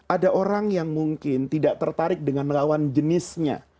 ada orang yang mungkin tidak tertarik dengan lawan jenisnya